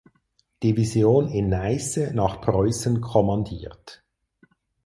Division in Neiße nach Preußen kommandiert.